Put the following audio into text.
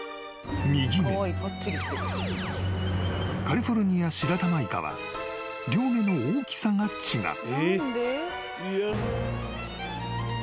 ［カリフォルニアシラタマイカは両目の大きさが違う］